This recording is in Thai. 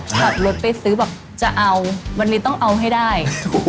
ขับรถไปซื้อแบบจะเอามันเลยต้องเอาให้ได้